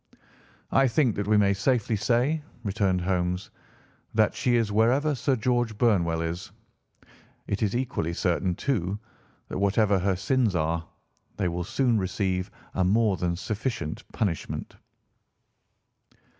"I think that we may safely say," returned Holmes, "that she is wherever Sir George Burnwell is. It is equally certain, too, that whatever her sins are, they will soon receive a more than sufficient punishment."